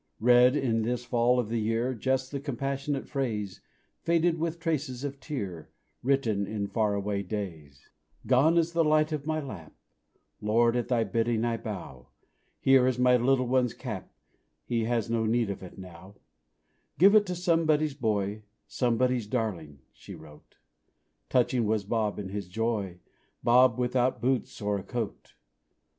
Read in this fall of the year Just the compassionate phrase, Faded with traces of tear, Written in far away days: "_Gone is the light of my lap (Lord, at Thy bidding I bow), Here is my little one's cap, He has no need of it now, Give it to somebody's boy Somebody's darling_" she wrote. Touching was Bob in his joy Bob without boots or a coat.